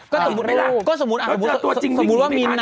ก็ก็สมมติน้อยล่ะ